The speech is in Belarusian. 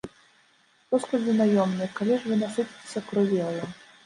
Поскудзі наёмныя, калі ж вы, насыціцеся крывёю?